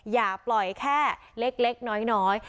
อย่าปล่อยแค่เล็กน้อย